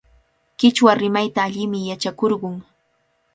Qichwa rimayta allimi yachakurqun.